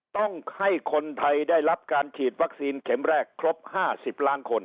ต้องให้คนไทยได้รับการฉีดวัคซีนเข็มแรกครบ๕๐ล้านคน